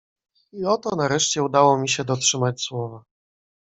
"I oto nareszcie udało mi się dotrzymać słowa."